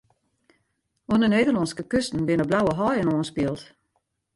Oan 'e Nederlânske kusten binne blauwe haaien oanspield.